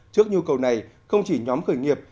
trước nhu cầu này không chỉ nhóm khởi nghiệp